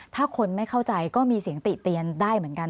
ถ้าคนไม่เข้าใจก็มีเสียงติเตียนได้เหมือนกัน